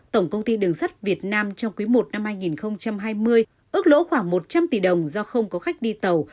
tổng công ty đường sắt việt nam trong quý i năm hai nghìn hai mươi ước lỗ khoảng một trăm linh tỷ đồng do không có khách đi tàu